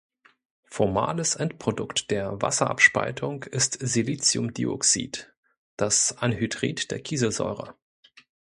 Formales Endprodukt der Wasserabspaltung ist Siliciumdioxid, das Anhydrid der Kieselsäure.